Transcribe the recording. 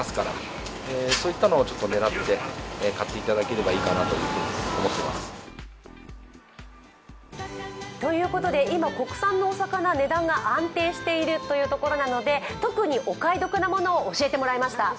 狙い目の国産、何でしょう？ということで、今国産のお魚値段が安定しているというところなので特にお買い得なものを教えてもらいました。